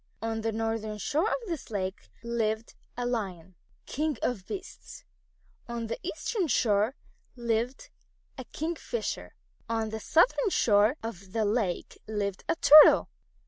On the northern shore of this lake lived a Lion, King of Beasts. On the eastern shore lived a Kingfisher. On the southern shore of the lake lived a Turtle.